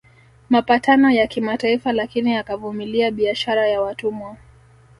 Mapatano ya kimataifa lakini akavumilia biashara ya watumwa